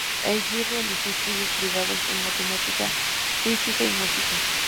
Allí, realizó estudios privados en matemática, física, y música.